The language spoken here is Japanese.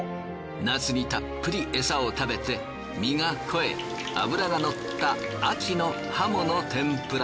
夏にたっぷり餌を食べて身が肥え脂がのった秋のハモの天ぷら。